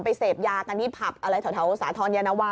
ไปเสพยากันที่ผับเท่าสนยานาวา